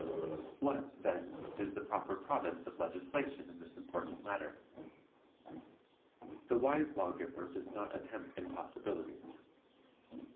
"What, then, is the proper province of legislation in this important matter? "The wise lawgiver does not attempt impossibilities.